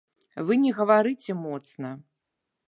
Вы не гаварыце моцна.